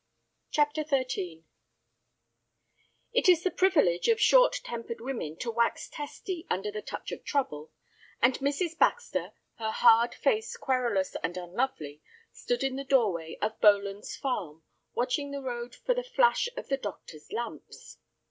CHAPTER XIII It is the privilege of short tempered women to wax testy under the touch of trouble, and Mrs. Baxter, her hard face querulous and unlovely, stood in the doorway of Boland's Farm, watching the road for the flash of the doctor's lamps.